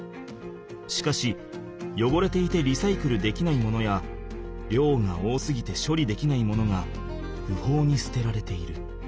しかしよごれていてリサイクルできないものやりょうが多すぎてしょりできないものがふほうにすてられている。